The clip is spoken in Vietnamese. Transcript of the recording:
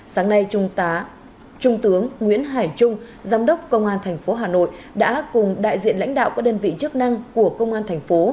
sáng nay trung tướng nguyễn hải trung giám đốc công an tp hà nội đã cùng đại diện lãnh đạo các đơn vị chức năng của công an tp